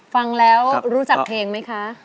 ฟังแล้วรู้จักเพลงไหมคะ